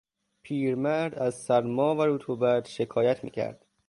پیرمرد از سرما و رطوبت شکایت میکرد.